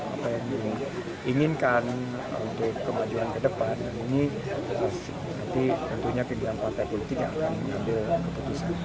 apa yang diinginkan untuk kemajuan ke depan dan ini nanti tentunya pilihan partai politik yang akan mengambil keputusan